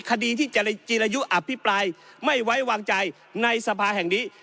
คดีที่จีรายุอภิปรายไม่ไว้วางใจในสภาแห่งนี้